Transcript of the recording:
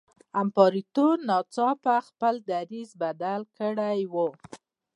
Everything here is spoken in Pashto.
امپراتور ناڅاپه خپل دریځ بدل کړی وای.